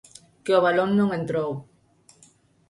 Que o balón non entrou.